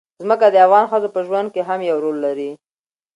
ځمکه د افغان ښځو په ژوند کې هم یو رول لري.